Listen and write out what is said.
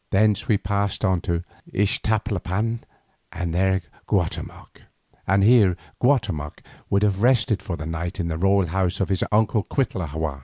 Thence we passed on to Iztapalapan, and here Guatemoc would have rested for the night in the royal house of his uncle Cuitlahua.